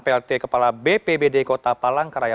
plt kepala bpbd kota palangkaraya